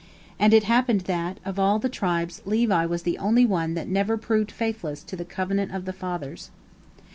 And it happened that. of all the tribes Levi was the only one that never proved faithless to the covenant of the fathers.